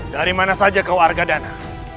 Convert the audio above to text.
dari mana saja kau argadana